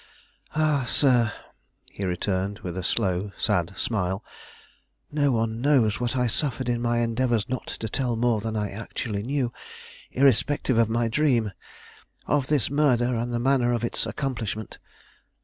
"Ah, sir," he returned, with a slow, sad smile; "no one knows what I suffered in my endeavors not to tell more than I actually knew, irrespective of my dream, of this murder and the manner of its accomplishment."